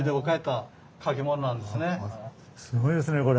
すごいですねこれ。